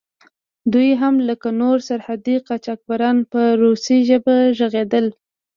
دوی هم لکه نور سرحدي قاچاقبران په روسي ژبه غږېدل.